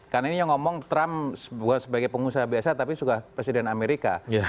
karena ini yang ngomong trump bukan sebagai pengusaha biasa tapi juga presiden amerika